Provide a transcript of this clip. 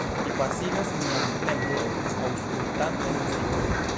Mi pasigas mian tempon aŭskultante muzikon.